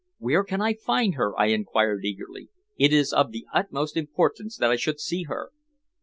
"Where can I find her?" I inquired eagerly. "It is of the utmost importance that I should see her."